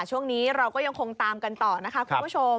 ช่วงนี้เราก็ยังคงตามกันต่อนะคะคุณผู้ชม